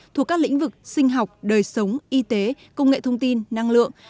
thuộc các lĩnh vực sinh học đời sống y tế công nghệ thông tin năng lượng